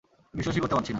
বিশ্বাসই করতে পারছি না!